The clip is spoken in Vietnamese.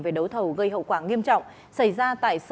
về đấu thầu gây hậu quả nghiêm trọng xảy ra tại sở y tế tp cn